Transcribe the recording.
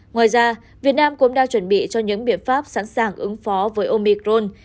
ngoài ra việt nam cũng đang chuẩn bị cho những biện pháp sẵn sàng ứng phó với omicron